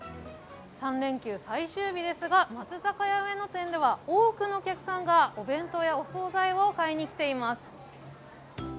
３連休最終日ですが松坂屋上野店では多くのお客さんがお弁当やお総菜を買いにきています。